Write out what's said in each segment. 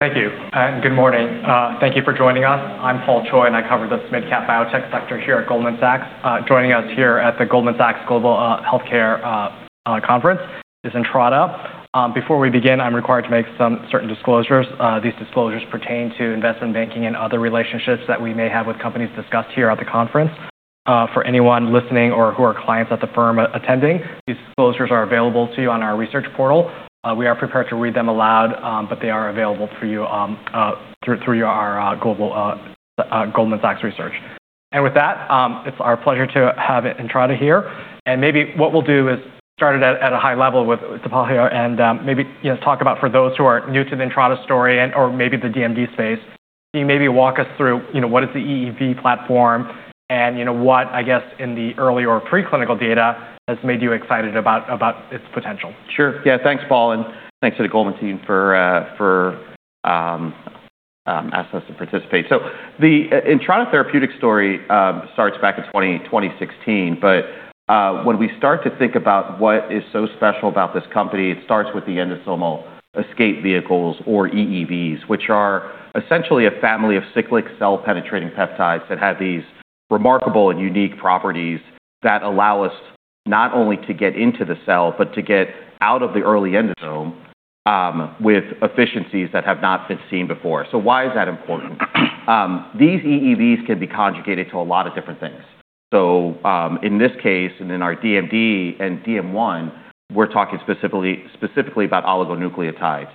Thank you. Good morning. Thank you for joining us. I'm Paul Choi, and I cover this mid-cap biotech sector here at Goldman Sachs. Joining us here at the Goldman Sachs Global Healthcare Conference is Entrada. Before we begin, I'm required to make some certain disclosures. These disclosures pertain to investment banking and other relationships that we may have with companies discussed here at the conference. For anyone listening or who are clients at the firm attending, these disclosures are available to you on our research portal. We are prepared to read them aloud, but they are available for you through your Goldman Sachs Research. With that, it's our pleasure to have Entrada here. Maybe what we'll do is start it at a high level with Dipal here and maybe talk about for those who are new to the Entrada story and/or maybe the DMD space. Can you maybe walk us through what is the EEV platform, and what, I guess, in the early or preclinical data has made you excited about its potential? Sure. Yeah, thanks, Paul, and thanks to the Goldman team for asking us to participate. The Entrada Therapeutics story starts back in 2016. When we start to think about what is so special about this company, it starts with the Endosomal Escape Vehicles or EEVs, which are essentially a family of cyclic cell-penetrating peptides that have these remarkable and unique properties that allow us not only to get into the cell but to get out of the early endosome with efficiencies that have not been seen before. Why is that important? These EEVs can be conjugated to a lot of different things. In this case, and in our DMD and DM1, we're talking specifically about oligonucleotides.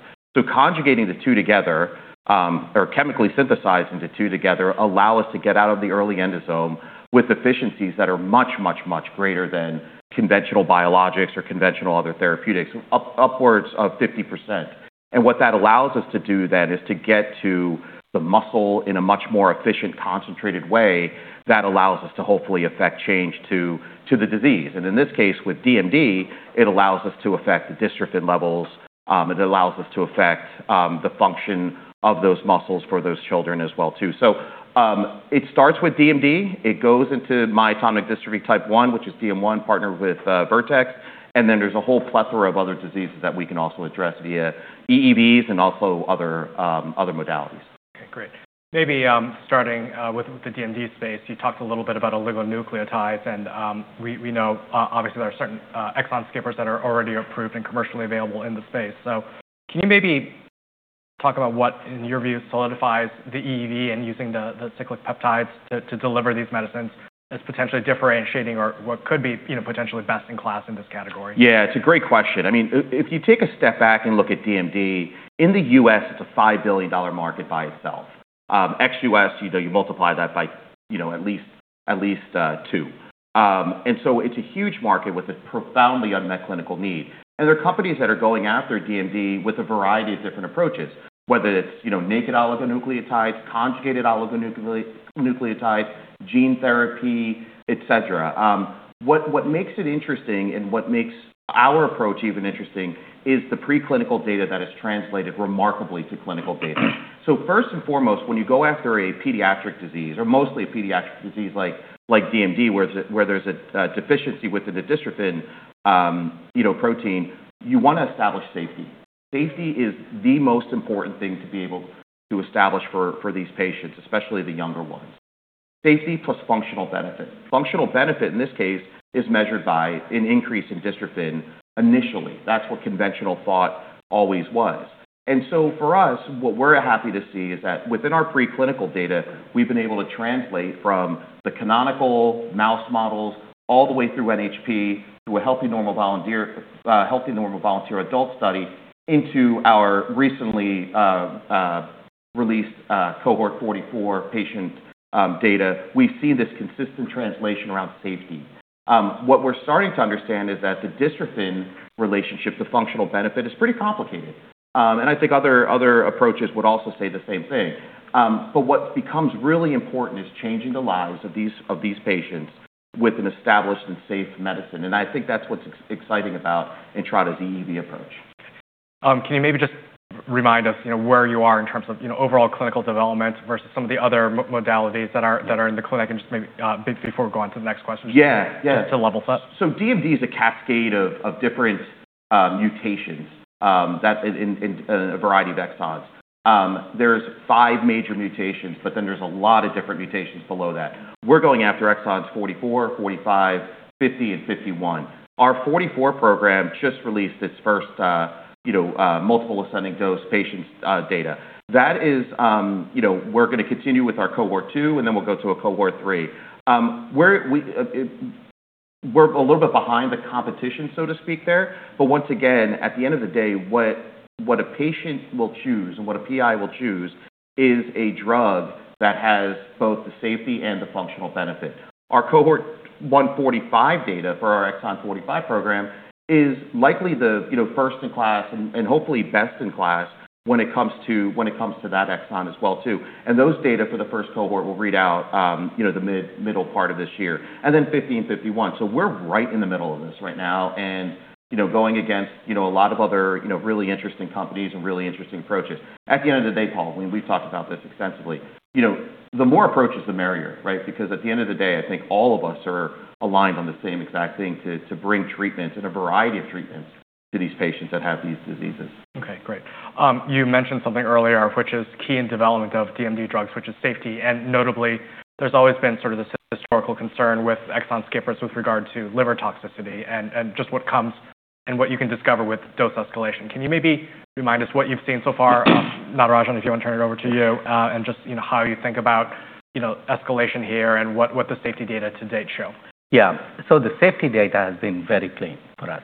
Conjugating the two together, or chemically synthesizing the two together, allow us to get out of the early endosome with efficiencies that are much, much, much greater than conventional biologics or conventional other therapeutics, upwards of 50%. What that allows us to do then is to get to the muscle in a much more efficient, concentrated way that allows us to hopefully affect change to the disease. In this case, with DMD, it allows us to affect the dystrophin levels. It allows us to affect the function of those muscles for those children as well, too. It starts with DMD. It goes into myotonic dystrophy type 1, which is DM1, partnered with Vertex. Then there's a whole plethora of other diseases that we can also address via EEVs and also other modalities. Okay, great. Maybe starting with the DMD space, you talked a little bit about oligonucleotides. We know obviously there are certain exon skippers that are already approved and commercially available in the space. Can you maybe talk about what, in your view, solidifies the EEV and using the cyclic peptides to deliver these medicines as potentially differentiating or what could be potentially best in class in this category? Yeah, it's a great question. If you take a step back and look at DMD, in the U.S., it's a $5 billion market by itself. Ex-U.S., you multiply that by at least two. It's a huge market with a profoundly unmet clinical need. There are companies that are going after DMD with a variety of different approaches, whether it's naked oligonucleotides, conjugated oligonucleotides, gene therapy, et cetera. What makes it interesting and what makes our approach even interesting is the preclinical data that has translated remarkably to clinical data. First and foremost, when you go after a pediatric disease, or mostly a pediatric disease like DMD, where there's a deficiency within the dystrophin protein, you want to establish safety. Safety is the most important thing to be able to establish for these patients, especially the younger ones. Safety plus functional benefit. Functional benefit, in this case, is measured by an increase in dystrophin initially. That's what conventional thought always was. For us, what we're happy to see is that within our preclinical data, we've been able to translate from the canonical mouse models all the way through NHP to a healthy normal volunteer adult study into our recently released Cohort 44 patient data. We've seen this consistent translation around safety. What we're starting to understand is that the dystrophin relationship, the functional benefit, is pretty complicated. I think other approaches would also say the same thing. What becomes really important is changing the lives of these patients with an established and safe medicine, and I think that's what's exciting about Entrada's EEV approach. Can you maybe just remind us where you are in terms of overall clinical development versus some of the other modalities that are in the clinic and just maybe before we go on to the next question- Yeah. Just to level set? DMD is a cascade of different mutations in a variety of exons. There's five major mutations, but then there's a lot of different mutations below that. We're going after exons 44, 45, 50, and 51. Our 44 program just released its first multiple ascending dose patients data. We're going to continue with our cohort 2, then we'll go to a cohort 3. We're a little bit behind the competition, so to speak there. Once again, at the end of the day, what a patient will choose and what a PI will choose is a drug that has both the safety and the functional benefit. Our cohort 145 data for our exon 45 program is likely the first in class and hopefully best in class when it comes to that exon as well too. Those data for the first cohort will read out the middle part of this year. 50 and 51. We're right in the middle of this right now and going against a lot of other really interesting companies and really interesting approaches. At the end of the day, Paul, we've talked about this extensively. The more approaches, the merrier, right? Because at the end of the day, I think all of us are aligned on the same exact thing, to bring treatments and a variety of treatments to these patients that have these diseases. Okay, great. You mentioned something earlier, which is key in development of DMD drugs, which is safety. Notably, there's always been sort of this historical concern with exon skippers with regard to liver toxicity and just what comes and what you can discover with dose escalation. Can you maybe remind us what you've seen so far? Natarajan, if you want to turn it over to you, and just how you think about escalation here and what the safety data to date show. Yeah. The safety data has been very clean for us.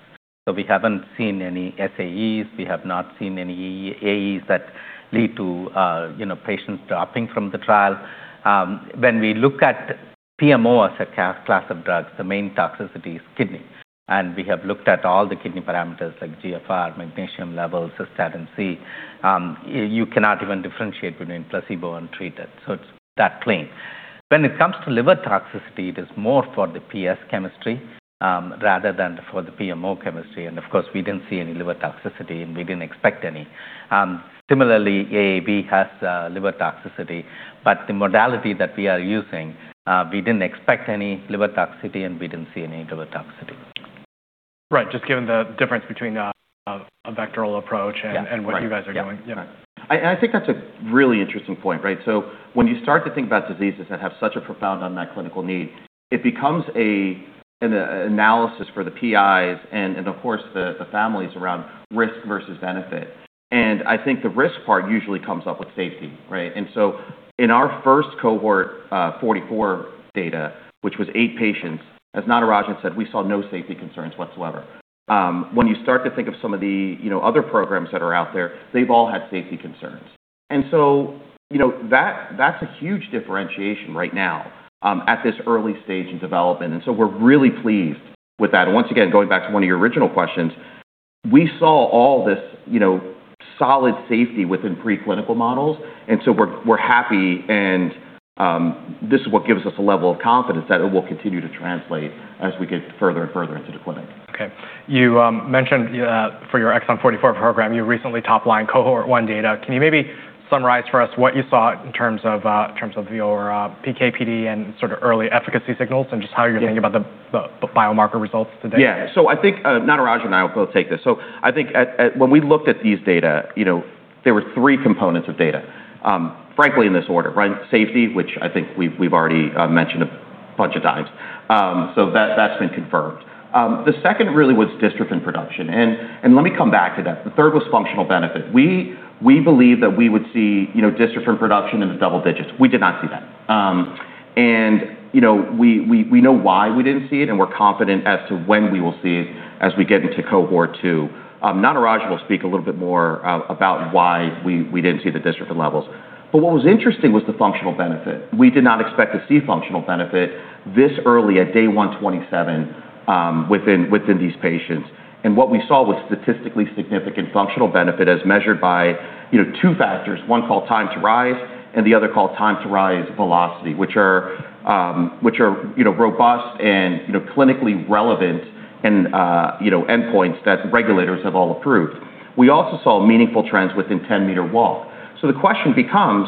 We haven't seen any SAEs, we have not seen any AEs that lead to patients dropping from the trial. When we look at PMO as a class of drugs, the main toxicity is kidney, and we have looked at all the kidney parameters like GFR, magnesium levels, cystatin C. You cannot even differentiate between placebo and treated. It's that clean. When it comes to liver toxicity, it is more for the PS chemistry rather than for the PMO chemistry. Of course, we didn't see any liver toxicity, and we didn't expect any. Similarly, AAV has liver toxicity, but the modality that we are using, we didn't expect any liver toxicity, and we didn't see any liver toxicity. Right. Just given the difference between a vectorial approach and. Yeah. What you guys are doing. Yeah. I think that's a really interesting point, right? When you start to think about diseases that have such a profound unmet clinical need, it becomes an analysis for the PIs and of course the families around risk versus benefit. I think the risk part usually comes up with safety, right? In our first Cohort 44 data, which was eight patients, as Natarajan said, we saw no safety concerns whatsoever. When you start to think of some of the other programs that are out there, they've all had safety concerns. That's a huge differentiation right now at this early stage in development, so we're really pleased with that. Once again, going back to one of your original questions, we saw all this solid safety within preclinical models, and so we're happy, and this is what gives us a level of confidence that it will continue to translate as we get further and further into the clinic. Okay. You mentioned for your Exon 44 program, you recently top-lined cohort 1 data. Can you maybe summarize for us what you saw in terms of your PK/PD and sort of early efficacy signals and just how you're thinking about the biomarker results to date? Yeah. I think Natarajan and I will both take this. I think when we looked at these data, there were three components of data, frankly in this order, right? Safety, which I think we've already mentioned a bunch of times. That's been confirmed. The second really was dystrophin production, and let me come back to that. The third was functional benefit. We believe that we would see dystrophin production in the double digits. We did not see that. We know why we didn't see it, and we're confident as to when we will see it as we get into cohort 2. Natarajan will speak a little bit more about why we didn't see the dystrophin levels. What was interesting was the functional benefit. We did not expect to see functional benefit this early at day 127 within these patients. What we saw was statistically significant functional benefit as measured by two factors. One called time to rise, and the other called time to rise velocity, which are robust and clinically relevant endpoints that regulators have all approved. We also saw meaningful trends within 10-meter walk. The question becomes,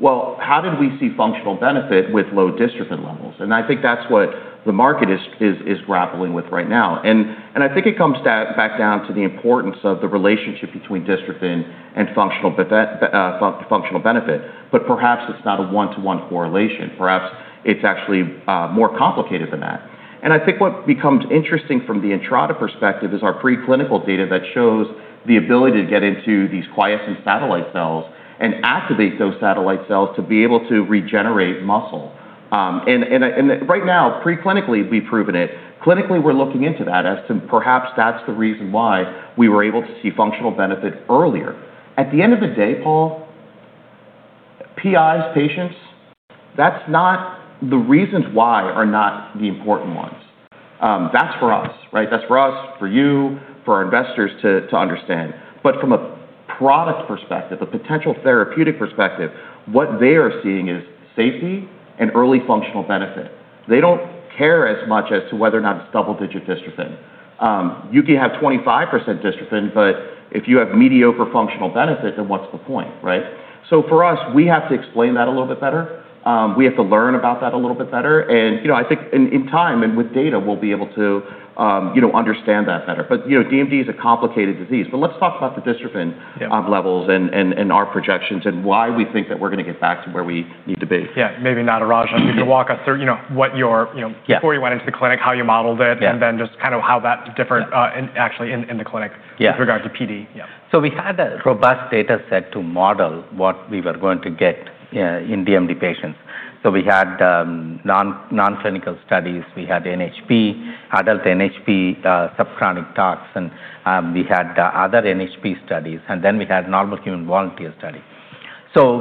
well, how did we see functional benefit with low dystrophin levels? I think that's what the market is grappling with right now. I think it comes back down to the importance of the relationship between dystrophin and functional benefit. Perhaps it's not a one-to-one correlation. Perhaps it's actually more complicated than that. I think what becomes interesting from the Entrada perspective is our preclinical data that shows the ability to get into these quiescent satellite cells and activate those satellite cells to be able to regenerate muscle. Right now, preclinically, we've proven it. Clinically, we're looking into that as to perhaps that's the reason why we were able to see functional benefit earlier. At the end of the day, Paul, PIs, patients, the reasons why are not the important ones. That's for us, right? That's for us, for you, for our investors to understand. From a product perspective, a potential therapeutic perspective, what they are seeing is safety and early functional benefit. They don't care as much as to whether or not it's double-digit dystrophin. You can have 25% dystrophin, but if you have mediocre functional benefit, then what's the point, right? For us, we have to explain that a little bit better. We have to learn about that a little bit better. I think in time and with data, we'll be able to understand that better. DMD is a complicated disease, but let's talk about the dystrophin levels and our projections and why we think that we're going to get back to where we need to be. Yeah. Maybe Natarajan, you could walk us through before you went into the clinic, how you modeled it, and then just kind of how that differed actually in the clinic with regard to PK/PD. We had a robust data set to model what we were going to get in DMD patients. We had non-clinical studies. We had NHP, adult NHP subchronic tox, and we had other NHP studies, and then we had normal human volunteer study.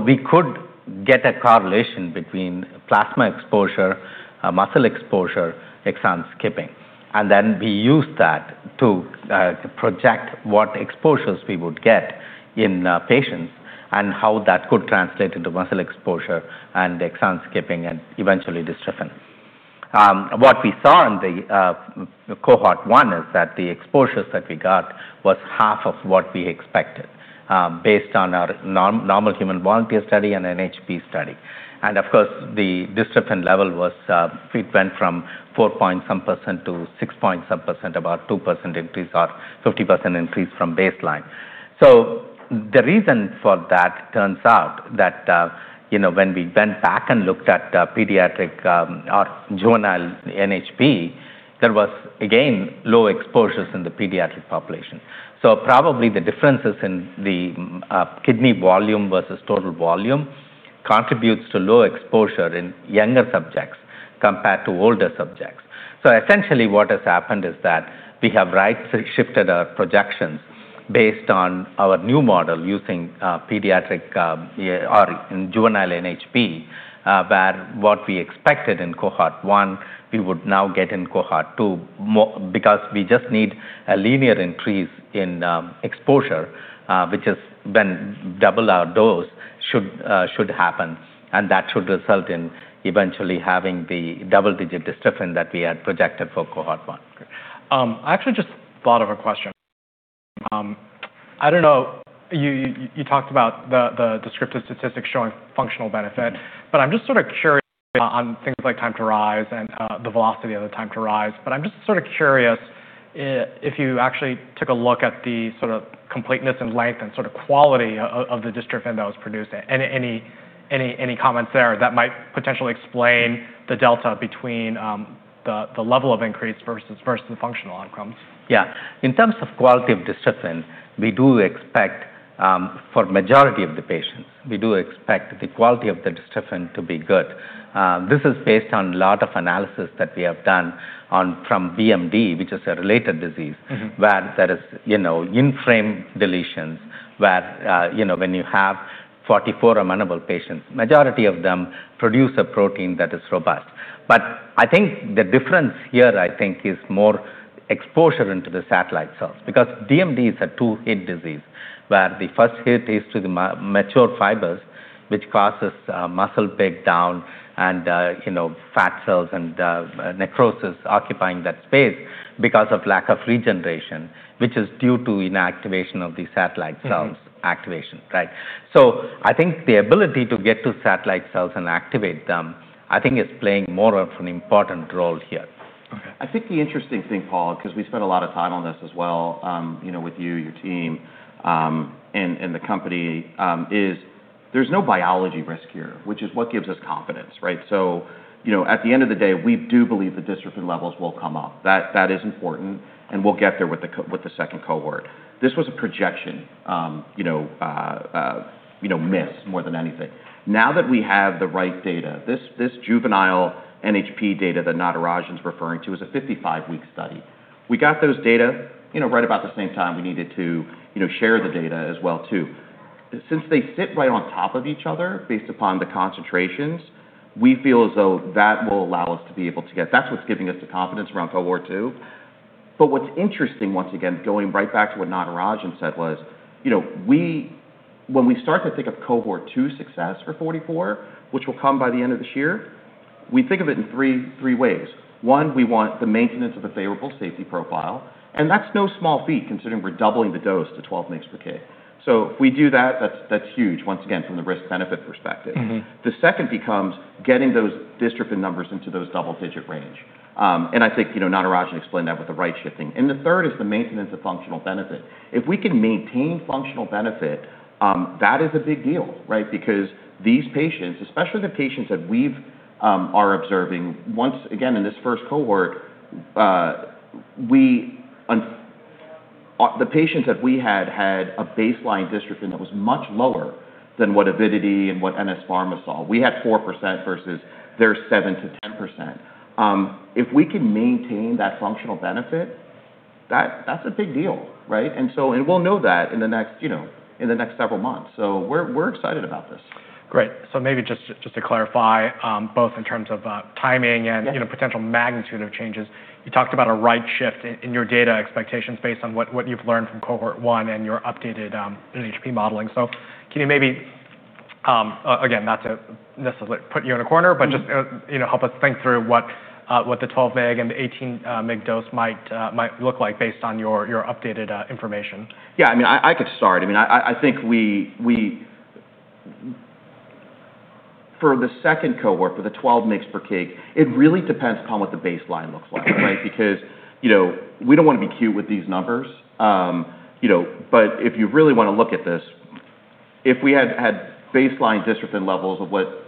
We could get a correlation between plasma exposure, muscle exposure, exon skipping, and then we used that to project what exposures we would get in patients and how that could translate into muscle exposure and exon skipping, and eventually dystrophin. What we saw in the cohort 1 is that the exposures that we got was half of what we expected based on our normal human volunteer study and NHP study. Of course, the dystrophin level went from 4 point some percent to 6 point some percent, about 2% increase or 50% increase from baseline. The reason for that turns out that when we went back and looked at pediatric or juvenile NHP, there was again low exposures in the pediatric population. Probably the differences in the kidney volume versus total volume contributes to low exposure in younger subjects compared to older subjects. Essentially what has happened is that we have right shifted our projections based on our new model using pediatric or juvenile NHP, where what we expected in cohort 1, we would now get in cohort 2, because we just need a linear increase in exposure, which is when double our dose should happen, and that should result in eventually having the double-digit dystrophin that we had projected for cohort 1. Great. I actually just thought of a question. You talked about the descriptive statistics showing functional benefit, I'm just sort of curious on things like time to rise and the velocity of the time to rise. I'm just sort of curious if you actually took a look at the sort of completeness and length and sort of quality of the dystrophin that was produced. Any comments there that might potentially explain the delta between the level of increase versus the functional outcomes? In terms of quality of dystrophin, we do expect for majority of the patients, we do expect the quality of the dystrophin to be good. This is based on lot of analysis that we have done from BMD, which is a related disease where there is in-frame deletions where when you have 44 amenable patients, majority of them produce a protein that is robust. I think the difference here, I think, is more exposure into the satellite cells because DMD is a two-hit disease, where the first hit is to the mature fibers, which causes muscle breakdown and fat cells and necrosis occupying that space because of lack of regeneration, which is due to inactivation of the satellite cells activation. I think the ability to get to satellite cells and activate them, I think is playing more of an important role here. Okay. I think the interesting thing, Paul, because we spent a lot of time on this as well with you, your team, and the company, is there's no biology risk here, which is what gives us confidence, right? At the end of the day, we do believe the dystrophin levels will come up. That is important, and we'll get there with the second cohort. This was a projection miss more than anything. Now that we have the right data, this juvenile NHP data that Natarajan's referring to is a 55-week study. We got those data right about the same time we needed to share the data as well too. Since they sit right on top of each other based upon the concentrations, we feel as though that will allow us to be able to. That's what's giving us the confidence around cohort 2. What's interesting, once again, going right back to what Natarajan said was, when we start to think of cohort 2 success for 44, which will come by the end of this year, we think of it in three ways. One, we want the maintenance of a favorable safety profile, and that's no small feat considering we're doubling the dose to 12 mgs per kg. If we do that's huge, once again, from the risk-benefit perspective. The second becomes getting those dystrophin numbers into those double digit range. I think Natarajan explained that with the right shifting. The third is the maintenance of functional benefit. If we can maintain functional benefit, that is a big deal, right? Because these patients, especially the patients that we are observing, once again, in this first cohort, the patients that we had a baseline dystrophin that was much lower than what Avidity and what NS Pharma saw. We had 4% versus their 7%-10%. If we can maintain that functional benefit, that's a big deal, right? We'll know that in the next several months. We're excited about this. Great. Maybe just to clarify, both in terms of timing and. Yeah. Potential magnitude of changes. You talked about a right shift in your data expectations based on what you've learned from cohort 1 and your updated NHP modeling. Can you maybe, again, not to necessarily put you in a corner, but just help us think through what the 12 mg and the 18 mg dose might look like based on your updated information? Yeah, I could start. I think for the second cohort, for the 12 mg/kg, it really depends upon what the baseline looks like, right? Because we don't want to be cute with these numbers. If you really want to look at this, if we had baseline dystrophin levels of what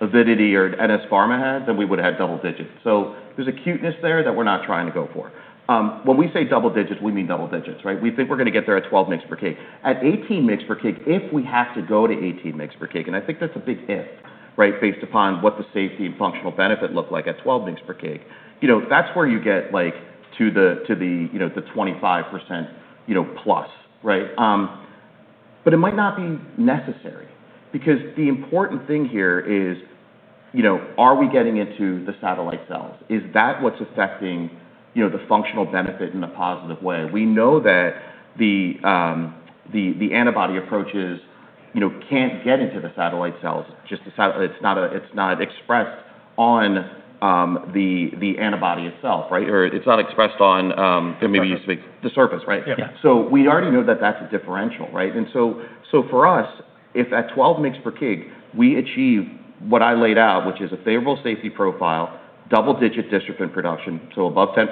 Avidity or NS Pharma had, then we would have double digits. There's a cuteness there that we're not trying to go for. When we say double digits, we mean double digits, right? We think we're going to get there at 12 mg/kg. At 18 mg/kg, if we have to go to 18 mg/kg, I think that's a big if, right? Based upon what the safety and functional benefit look like at 12 mg/kg. That's where you get to the 25%+. It might not be necessary because the important thing here is are we getting into the satellite cells? Is that what's affecting the functional benefit in a positive way? We know that the antibody approaches can't get into the satellite cells, it's not expressed on the antibody itself, right? It's not expressed on The surface. The surface, right? Yeah. We already know that that's a differential, right? For us, if at 12 mgs per kg, we achieve what I laid out, which is a favorable safety profile, double-digit dystrophin production, so above 10%,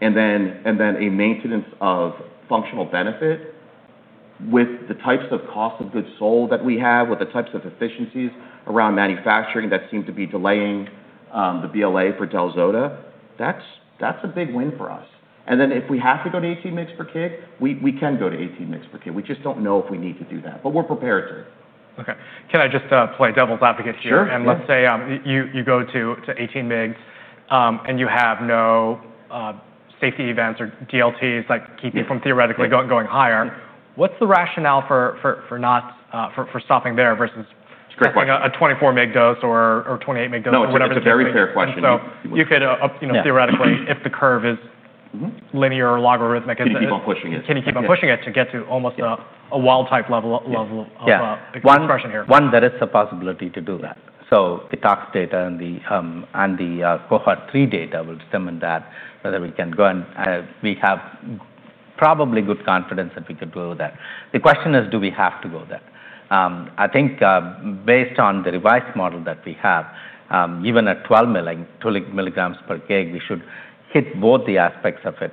and then a maintenance of functional benefit with the types of cost of goods sold that we have, with the types of efficiencies around manufacturing that seem to be delaying the BLA for Delzota, that's a big win for us. If we have to go to 18 mgs per kg, we can go to 18 mgs per kg. We just don't know if we need to do that, but we're prepared to. Okay. Can I just play devil's advocate here? Sure. Yeah. Let's say you go to 18 mgs, and you have no safety events or DLTs keeping you from theoretically going higher. What's the rationale for stopping there versus, It's a great question. A 24 mg dose or 28 mg dose or whatever the. It's a very fair question. You could, theoretically, if the curve is linear or logarithmic. Can you keep on pushing it? Can you keep on pushing it to get to almost a wild type level of expression here? There is a possibility to do that. The tox data and the cohort 3 data will determine that, whether we can go, and we have probably good confidence that we could go there. The question is, do we have to go there? Based on the revised model that we have, even at 12 milligrams per kg, we should hit both the aspects of it,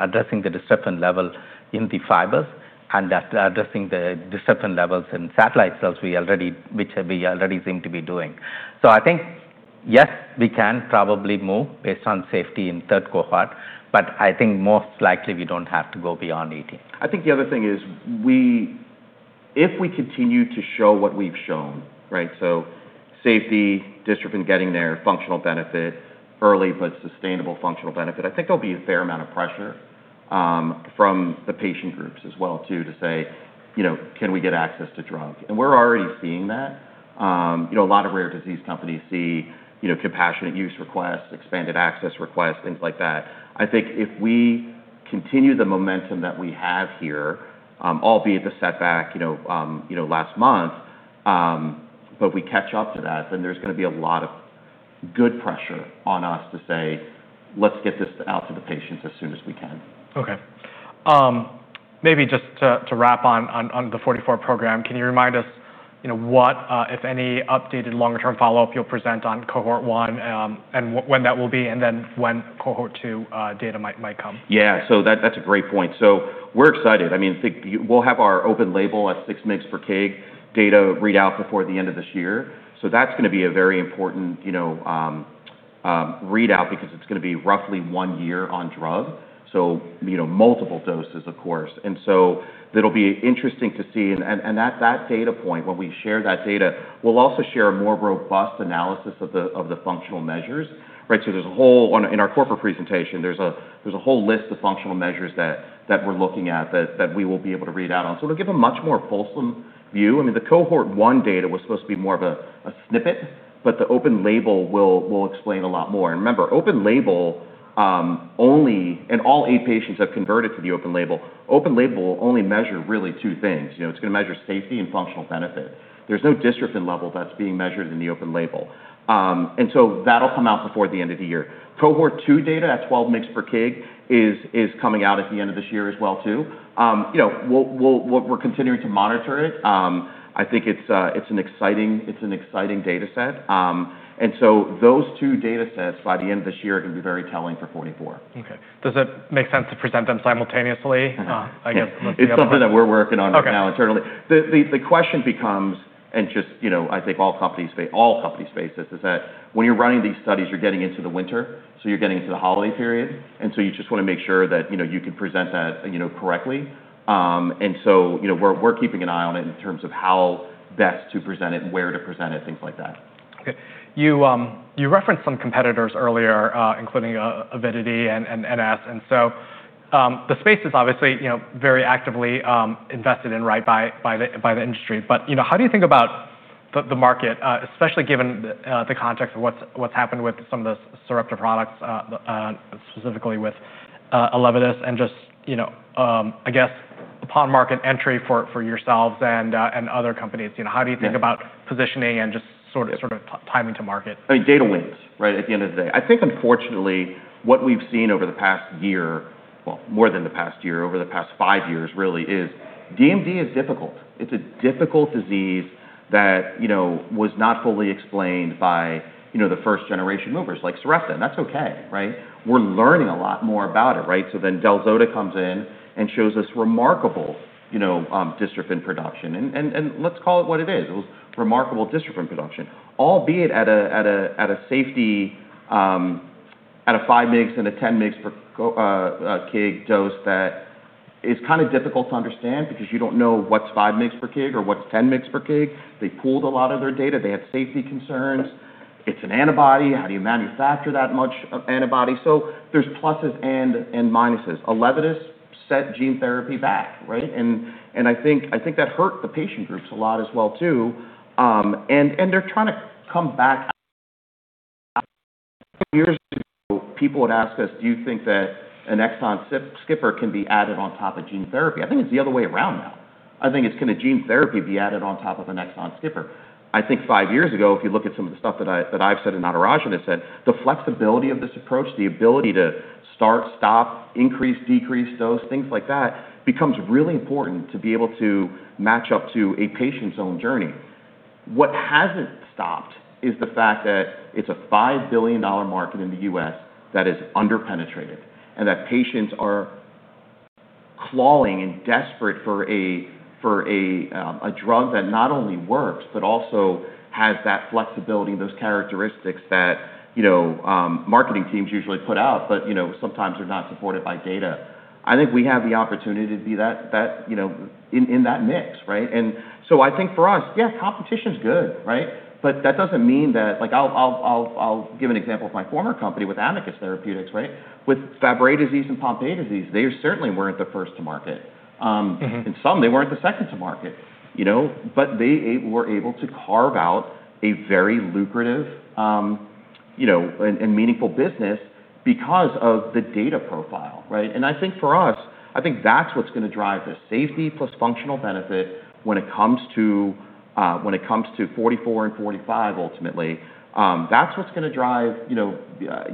addressing the dystrophin level in the fibers, and addressing the dystrophin levels in satellite cells, which we already seem to be doing. Yes, we can probably move based on safety in cohort 3, but [I think,] most likely we don't have to go beyond 18. The other thing is, if we continue to show what we've shown, right? Safety, dystrophin getting there, functional benefit, early but sustainable functional benefit, there will be a fair amount of pressure from the patient groups as well too, to say, "Can we get access to drug?" We're already seeing that. A lot of rare disease companies see compassionate use requests, expanded access requests, things like that. If we continue the momentum that we have here, albeit the setback last month, but we catch up to that, there's going to be a lot of good pressure on us to say, "Let's get this out to the patients as soon as we can." Maybe just to wrap on the Cohort 44 program, can you remind us what, if any, updated longer term follow-up you will present on cohort 1, and when that will be, and when cohort 2 data might come? That's a great point. We're excited. We will have our open-label at 6 mgs per kg data readout before the end of this year. That's going to be a very important readout because it's going to be roughly one year on drug, multiple doses, of course. That will be interesting to see. That data point, when we share that data, we will also share a more robust analysis of the functional measures, right? In our corporate presentation, there's a whole list of functional measures that we're looking at that we will be able to read out on. It will give a much more fulsome view. The cohort 1 data was supposed to be more of a snippet, but the open-label will explain a lot more. Remember, open-label only, and all eight patients have converted to the open-label. Open-label will only measure really two things. It's going to measure safety and functional benefit. There's no dystrophin level that's being measured in the open-label. That'll come out before the end of the year. Cohort 2 data at 12 mg/kg is coming out at the end of this year as well too. We're continuing to monitor it. I think it's an exciting data set. Those two data sets by the end of this year are going to be very telling for 44. Okay. Does it make sense to present them simultaneously? It's something that we're working on now internally. Okay. The question becomes, and just I think all company cases, is that when you're running these studies, you're getting into the winter. You're getting into the holiday period. You just want to make sure that you can present that correctly. We're keeping an eye on it in terms of how best to present it and where to present it, things like that. Okay. You referenced some competitors earlier, including Avidity and Enzast. The space is obviously very actively invested in right by the industry. How do you think about the market, especially given the context of what's happened with some of the Sarepta products, specifically with ELEVIDYS, and just I guess upon market entry for yourselves and other companies, how do you think about positioning and just sort of timing to market? Data wins, right, at the end of the day. I think unfortunately, what we've seen over the past year, well, more than the past year, over the past 5 years really, is DMD is difficult. It's a difficult disease that was not fully explained by the first generation movers like Sarepta, that's okay, right? We're learning a lot more about it, right? Delzota comes in and shows us remarkable dystrophin production, let's call it what it is. It was remarkable dystrophin production, albeit at a safety, at a 5 mg and a 10 mg per kg dose that is kind of difficult to understand because you don't know what's 5 mg per kg or what's 10 mg per kg. They pooled a lot of their data. They had safety concerns. It's an antibody. How do you manufacture that much of antibody? There's pluses and minuses. ELEVIDYS set gene therapy back, right? I think that hurt the patient groups a lot as well too. They're trying to come back. Years ago, people would ask us, "Do you think that an exon skipper can be added on top of gene therapy?" I think it's the other way around now. I think it's, can a gene therapy be added on top of an exon skipper? I think 5 years ago, if you look at some of the stuff that I've said and Natarajan has said, the flexibility of this approach, the ability to start, stop, increase, decrease dose, things like that, becomes really important to be able to match up to a patient's own journey. What hasn't stopped is the fact that it's a $5 billion market in the U.S. that is under-penetrated, that patients are clawing and desperate for a drug that not only works, also has that flexibility and those characteristics that marketing teams usually put out, sometimes they're not supported by data. I think we have the opportunity to be in that mix. I think for us, yeah, competition's good. That doesn't mean that I'll give an example of my former company with Amicus Therapeutics. With Fabry disease and Pompe disease, they certainly weren't the first to market. In some, they weren't the second to market. They were able to carve out a very lucrative and meaningful business because of the data profile. I think for us, I think that's what's going to drive this safety plus functional benefit when it comes to 44 and 45, ultimately. That's what's going to drive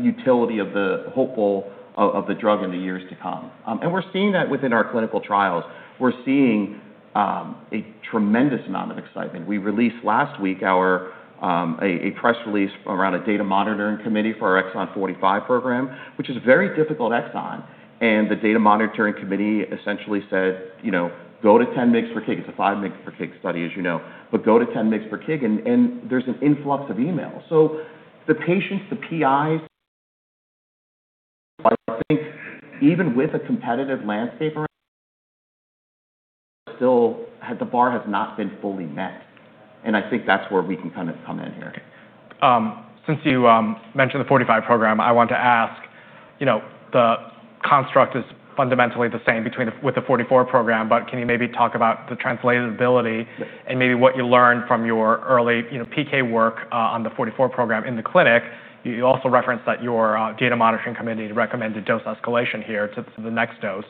utility of the drug in the years to come. We're seeing that within our clinical trials. We're seeing a tremendous amount of excitement. We released last week a press release around a Data Monitoring Committee for our Exon 45 Program, which is a very difficult exon. The Data Monitoring Committee essentially said, "Go to 10 mg/kg." It's a 5 mg/kg study, as you know, but go to 10 mg/kg. There's an influx of emails. The patients, the PIs, I think even with a competitive landscape around, still the bar has not been fully met. I think that's where we can come in here. Since you mentioned the 45 Program, I want to ask, the construct is fundamentally the same with the 44 Program. Can you maybe talk about the translatability? Yeah. Maybe what you learned from your early PK work on the 44 Program in the clinic? You also referenced that your Data Monitoring Committee recommended dose escalation here to the next dose.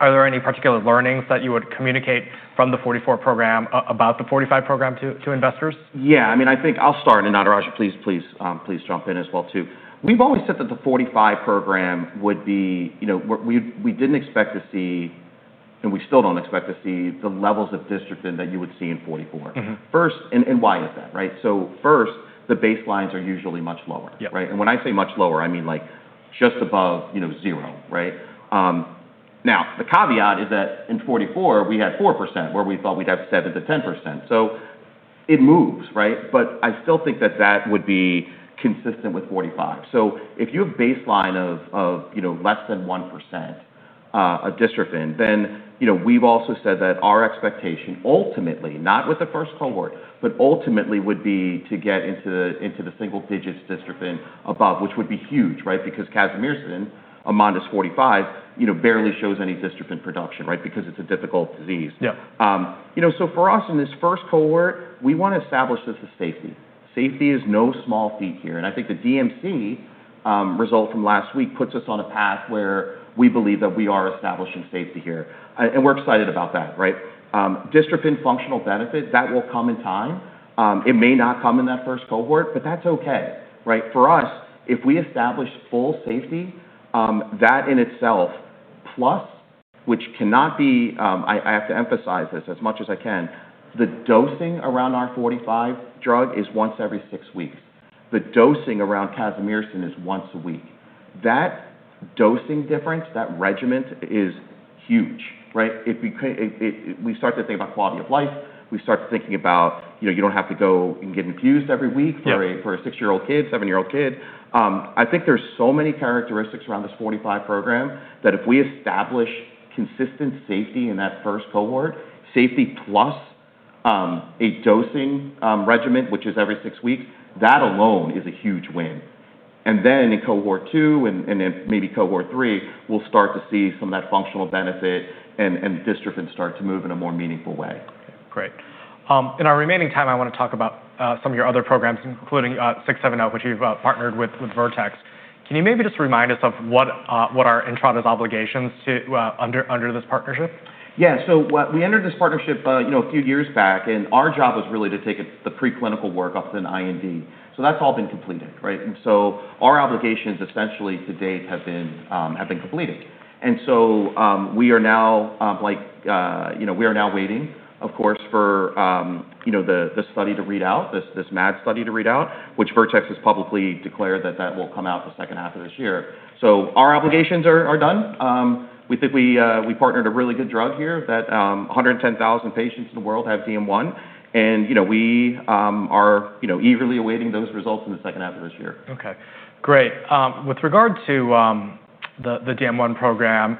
Are there any particular learnings that you would communicate from the 44 Program about the 45 Program to investors? Yeah. I think I'll start. Natarajan, please jump in as well, too. We've always said that the 45 program. We didn't expect to see, and we still don't expect to see the levels of dystrophin that you would see in 44. First, why is that? First, the baselines are usually much lower. Yeah. When I say much lower, I mean like just above zero. The caveat is that in 44, we had 4% where we thought we'd have 7%-10%. It moves. I still think that that would be consistent with 45. If you have baseline of less than 1% of dystrophin, we've also said that our expectation, ultimately, not with the first cohort, but ultimately would be to get into the single-digit dystrophin above, which would be huge. [Because] casimersen, AMONDYS 45, barely shows any dystrophin production because it's a difficult disease. Yeah. For us in this first cohort, we want to establish this as safety. Safety is no small feat here. I think the DMC result from last week puts us on a path where we believe that we are establishing safety here, and we're excited about that. Dystrophin functional benefit, that will come in time. It may not come in that first cohort. That's okay. For us, if we establish full safety, that in itself, plus, which cannot be, I have to emphasize this as much as I can, the dosing around our 45 drug is once every six weeks. The dosing around casimersen is once a week. That dosing difference, that regimen is huge. If we start to think about quality of life, we start thinking about you don't have to go and get infused every week. Yeah. For a six-year-old kid, seven-year-old kid. I think there's so many characteristics around this 45 program that if we establish consistent safety in that first cohort, safety plus a dosing regimen, which is every six weeks, that alone is a huge win. In cohort 2 and in maybe cohort 3, we'll start to see some of that functional benefit and dystrophin start to move in a more meaningful way. Great. In our remaining time, I want to talk about some of your other programs, including VX-670, which you've partnered with Vertex. Can you maybe just remind us of what are Entrada's obligations under this partnership? Yeah. We entered this partnership a few years back, and our job was really to take the preclinical work up to an IND. That's all been completed. Our obligations essentially to date have been completed. We are now waiting, of course, for the study to read out, this MAD study to read out, which Vertex has publicly declared that that will come out the second half of this year. Our obligations are done. We think we partnered a really good drug here, that 110,000 patients in the world have DM1, and we are eagerly awaiting those results in the second half of this year. Okay, great. With regard to the DM1 program,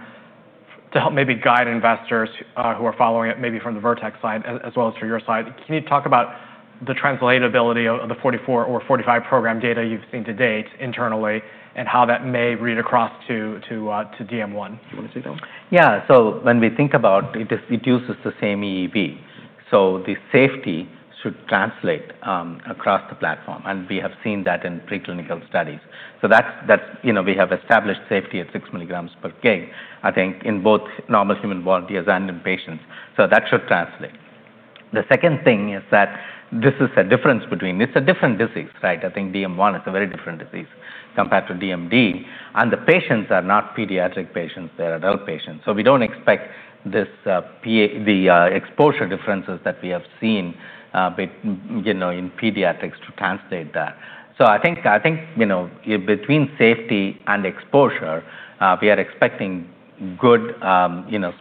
to help maybe guide investors who are following it maybe from the Vertex side as well as for your side, can you talk about the translatability of the 44 or 45 program data you've seen to date internally and how that may read across to DM1? Do you want to take that one? When we think about it uses the same EEV. The safety should translate across the platform, and we have seen that in pre-clinical studies. We have established safety at 6 milligrams per kg, I think, in both normal human volunteers and in patients. That should translate. The second thing is that this is a different disease. I think DM1 is a very different disease compared to DMD, and the patients are not pediatric patients, they're adult patients. We don't expect the exposure differences that we have seen in pediatrics to translate that. I think between safety and exposure, we are expecting good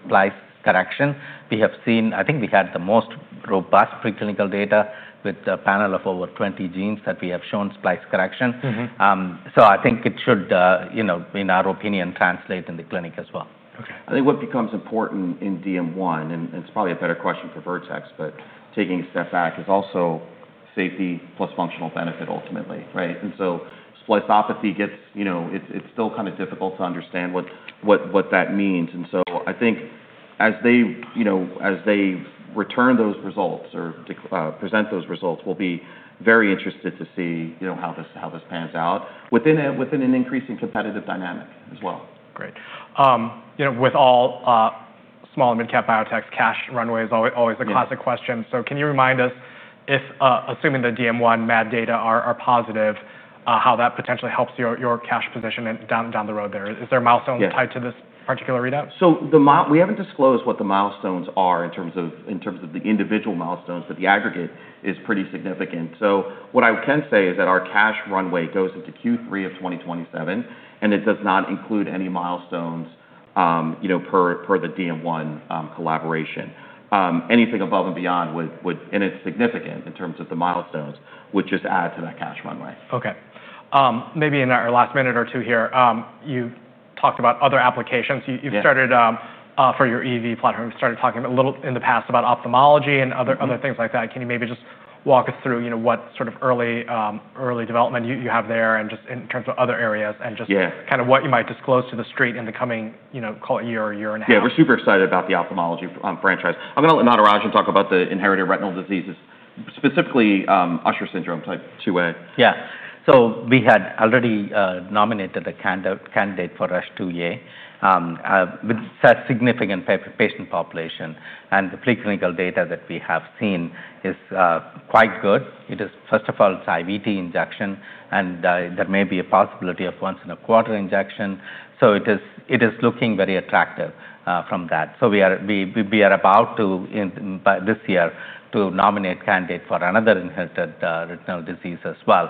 splice correction. I think we had the most robust pre-clinical data with a panel of over 20 genes that we have shown splice correction. I think it should, in our opinion, translate in the clinic as well. Okay. I think what becomes important in DM1, and it's probably a better question for Vertex, but taking a step back is also safety plus functional benefit ultimately, right? Spliceopathy, it's still kind of difficult to understand what that means. I think as they return those results or present those results, we'll be very interested to see how this pans out within an increasing competitive dynamic as well. Great. With all small and mid-cap biotechs, cash runway is always the classic question. Can you remind us if, assuming the DM1 MAD data are positive, how that potentially helps your cash position down the road there? Is there milestones, Yeah. Tied to this particular readout? We haven't disclosed what the milestones are in terms of the individual milestones, but the aggregate is pretty significant. What I can say is that our cash runway goes into Q3 of 2027, and it does not include any milestones per the DM1 collaboration. Anything above and beyond would, and it's significant in terms of the milestones, would just add to that cash runway. Okay. Maybe in our last minute or two here, you talked about other applications. Yeah. You've started for your EEV platform, started talking a little in the past about ophthalmology and other things like that. Can you maybe just walk us through what sort of early development you have there and just in terms of other areas? Yeah. kind of what you might disclose to the street in the coming call it year or year and a half? Yeah. We're super excited about the ophthalmology franchise. I'm going to let Natarajan talk about the inherited retinal diseases, specifically Usher syndrome type 2A. Yeah. We had already nominated a candidate for USH2A, with significant patient population, and the pre-clinical data that we have seen is quite good. First of all, it's intravitreal injection, and there may be a possibility of once in a quarter injection. It is looking very attractive from that. We are about to, this year, to nominate candidate for another inherited retinal disease as well.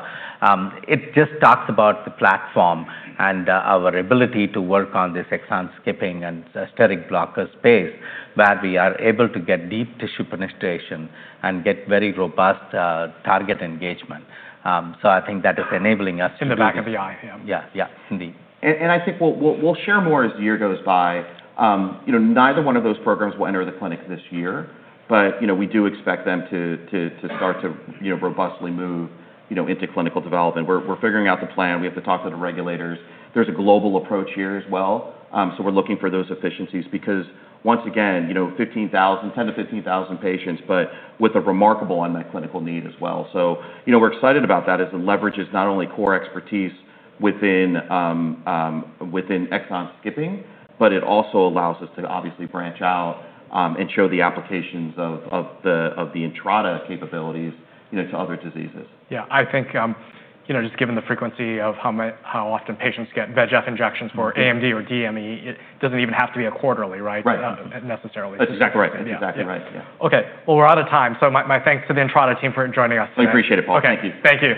It just talks about the platform and our ability to work on this exon skipping and steric blocker space, where we are able to get deep tissue penetration and get very robust target engagement. I think that is enabling us to do this. In the back of the eye. Yeah. Yeah. Indeed. I think we'll share more as the year goes by. Neither one of those programs will enter the clinic this year, but we do expect them to start to robustly move into clinical development. We're figuring out the plan. We have to talk to the regulators. There's a global approach here as well, so we're looking for those efficiencies because once again, 10-15,000 patients, but with a remarkable unmet clinical need as well. We're excited about that as it leverages not only core expertise within exon skipping, but it also allows us to obviously branch out and show the applications of the Entrada capabilities to other diseases. Yeah, I think, just given the frequency of how often patients get VEGF injections for AMD or DME, it doesn't even have to be a quarterly, right? Right. Necessarily. That's exactly right. Yeah. Okay. We're out of time, so my thanks to the Entrada team for joining us today. I appreciate it, Paul. Thank you. Thank you.